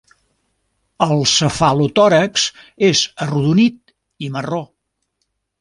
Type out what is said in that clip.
El cefalotòrax és arrodonit i marró.